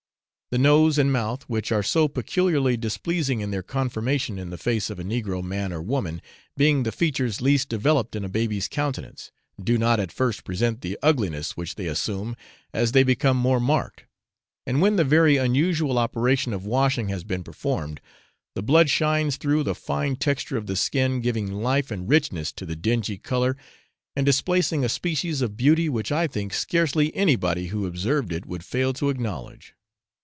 The nose and mouth, which are so peculiarly displeasing in their conformation in the face of a negro man or woman, being the features least developed in a baby's countenance, do not at first present the ugliness which they assume as they become more marked; and when the very unusual operation of washing has been performed, the blood shines through the fine texture of the skin, giving life and richness to the dingy colour, and displaying a species of beauty which I think scarcely any body who observed it would fail to acknowledge.